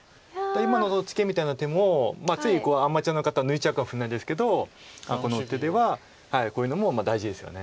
今のツケみたいな手もついアマチュアの方は抜いちゃうかもしれないんですけどこの手ではこういうのも大事ですよね。